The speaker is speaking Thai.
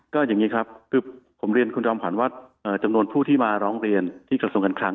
ก็อย่างนี้ครับคือผมเรียนคุณจอมขวัญว่าจำนวนผู้ที่มาร้องเรียนที่กระทรวงการคลัง